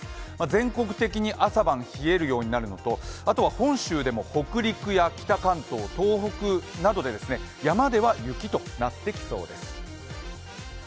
全国的に朝晩が冷えるようになるのと本州でも北陸や北関東では山では雪となってきそうです。